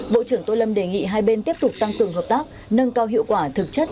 bộ trưởng tô lâm đề nghị hai bên tiếp tục tăng cường hợp tác nâng cao hiệu quả thực chất